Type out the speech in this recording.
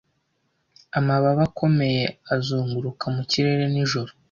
Amababa akomeye azunguruka mu kirere nijoro;